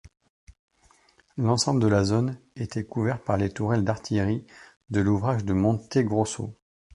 L'ensemble de la zone était couvert par les tourelles d'artillerie de l'ouvrage du Monte-Grosso.